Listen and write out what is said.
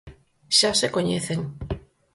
Xa se coñecen.